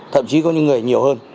thậm chí có những người nhiều hơn